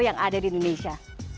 yang ada di indonesia